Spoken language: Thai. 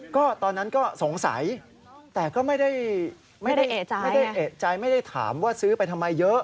ก็ตอนนั้นก็สงสัยแต่ก็ไม่ได้เอกใจไม่ได้เอกใจไม่ได้ถามว่าซื้อไปทำไมเยอะ